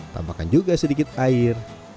tambahkan juga sedikit air